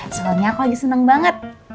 soalnya aku lagi seneng banget